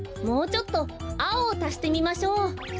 もうちょっとあおをたしてみましょう。